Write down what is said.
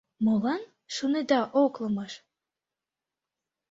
Молан, шонеда, ок ломыж? -